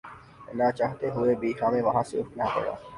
ناچاہتے ہوئے بھی ہمیں وہاں سے اٹھنا پڑا